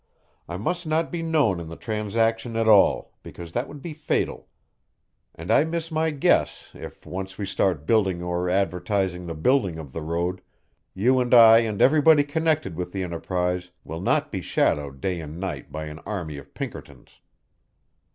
I must not be known in the transaction at all, because that would be fatal. And I miss my guess if, once we start building or advertising the building of the road, you and I and everybody connected with the enterprise will not be shadowed day and night by an army of Pinkertons."